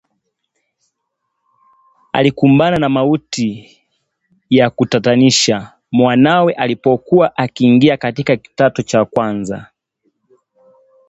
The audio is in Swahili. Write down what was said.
Alikumbana na mauti ya kutatanisha, mwanawe alipokuwa akiingia katika kidato cha kwanza